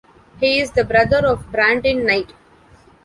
He is the brother of Brandin Knight.